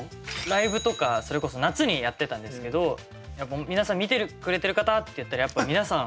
ライブとかそれこそ夏にやってたんですけど皆さん「見てくれてる方！」ってやったらやっぱ皆さん。